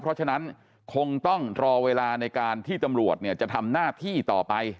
เพราะฉะนั้นคงต้องรอเวลาในการที่ตำรวจจะทำหน้าที่ต่อไป